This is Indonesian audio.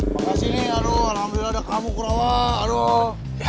makasih nih alhamdulillah ada kamu kurang